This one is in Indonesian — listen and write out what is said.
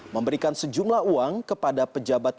memberikan sejumlah uang kepada pejabat